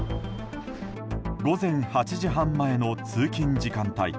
午前８時半前の通勤時間帯。